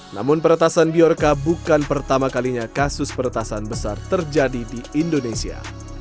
namun peretasan biorka bukan pertama kalinya kasus peretasan besar terjadi di indonesia